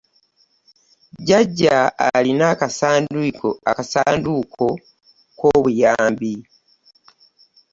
Jjajja alina akasanduuko k'obuyambi.